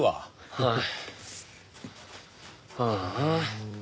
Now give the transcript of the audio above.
はい。